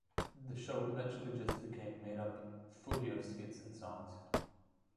The show eventually just became made up fully of skits and songs.